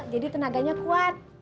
jadi tenaganya kuat